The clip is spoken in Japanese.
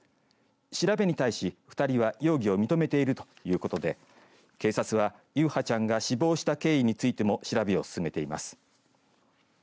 調べに対し、２人は容疑を認めているということで警察は優陽ちゃんが死亡した経緯についても調べを進めています。